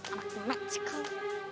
anak enak sih kamu